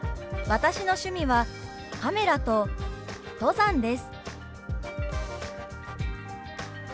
「私の趣味はカメラと登山です」。